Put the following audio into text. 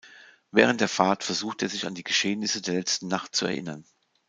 Während der Fahrt versucht er sich an die Geschehnisse der letzten Nacht zu erinnern.